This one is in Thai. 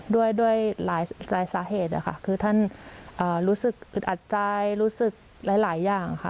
ด้วยหลายสาเหตุนะคะคือท่านรู้สึกอึดอัดใจรู้สึกหลายอย่างค่ะ